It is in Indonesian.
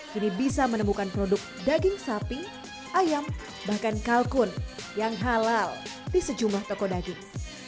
kini bisa menemukan produk daging sapi ayam bahkan kalkun yang halal di sejumlah toko daging